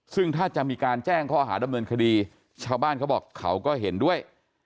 ซึ่งถ้าจะมีการแจ้งข้อหาดำเนินคดีชาวบ้านเขาบอกเขาก็เห็นด้วย